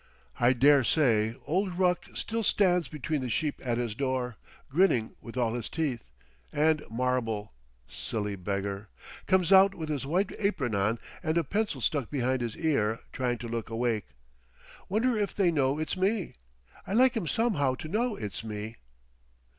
I daresay old Ruck still stands between the sheep at his door, grinning with all his teeth, and Marbel, silly beggar! comes out with his white apron on and a pencil stuck behind his ear, trying to look awake... Wonder if they know it's me? I'd like 'em somehow to know it's me."